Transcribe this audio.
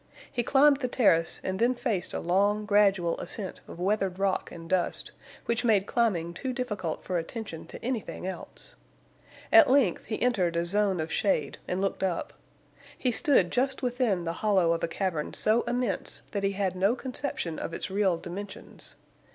He climbed the terrace and then faced a long, gradual ascent of weathered rock and dust, which made climbing too difficult for attention to anything else. At length he entered a zone of shade, and looked up. He stood just within the hollow of a cavern so immense that he had no conception of its real dimensions.